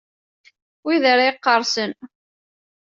Wid ara iqqerṣen.